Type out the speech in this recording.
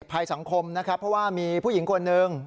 ภัยสังคมนะครับเพราะว่ามีผู้หญิงคนหนึ่ง